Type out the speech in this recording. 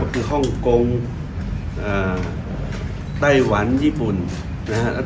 คือฮ่องกงไต้หวันญี่ปุ่นนะครับ